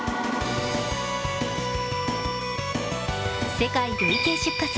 世界累計出荷数